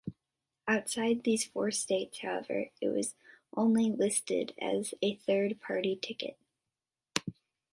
Outside of these four states, however, it was only listed as a third-party ticket.